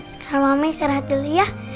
sekarang mama istirahat dulu ya